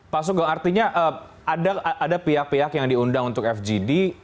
pak sugeng artinya ada pihak pihak yang diundang untuk fgd